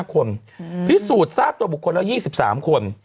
๕คนพิสูจน์ทราบตัวบุคคลแล้ว๒๓คน